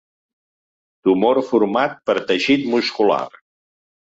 Tumor format per teixit muscular.